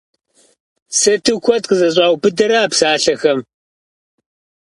Сыту куэд къызэщӀаубыдэрэ а псалъэхэм!